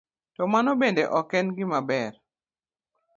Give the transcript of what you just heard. To mano bende ok en gima ber.